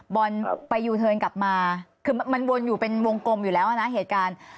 บอลไปยูเทิร์นกลับมาคือมันวนอยู่เป็นวงกลมอยู่แล้วนะเหตุการณ์